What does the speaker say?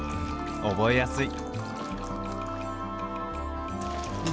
覚えやすい！